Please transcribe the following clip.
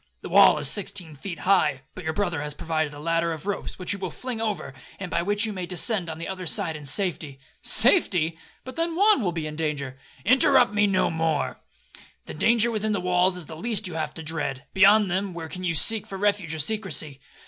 The wall is sixteen feet high,—but your brother has provided a ladder of ropes, which he will fling over, and by which you may descend on the other side in safety.'—'Safety! but then Juan will be in danger.'—'Interrupt me no more,—the danger within the walls is the least you have to dread, beyond them, where can you seek for refuge or secrecy?